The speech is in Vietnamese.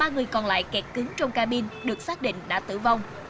ba người còn lại kẹt cứng trong cabin được xác định đã tử vong